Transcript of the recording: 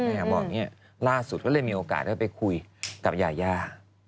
บอกอย่างนี้ล่าสุดก็เลยมีโอกาสได้ไปคุยกับยายา